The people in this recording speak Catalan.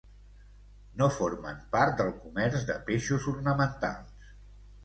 No formen part del comerç de peixos ornamentals.